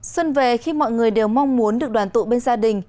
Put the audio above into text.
xuân về khi mọi người đều mong muốn được đoàn tụ bên gia đình